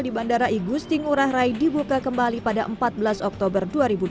di bandara igusti ngurah rai dibuka kembali pada empat belas oktober dua ribu dua puluh